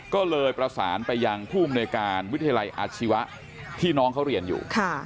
ก็เลยประสานไปยังผู้อำนวยการวิทยาลัยอาชีวะที่น้องเขาเรียนอยู่